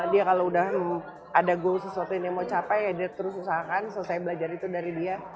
dia kalau udah ada goal sesuatu yang dia mau capai ya dia terus usahakan selesai belajar itu dari dia